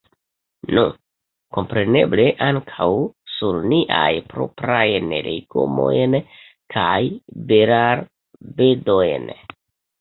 Nu, kompreneble ankaŭ sur niajn proprajn legomojn kaj berarbedojn.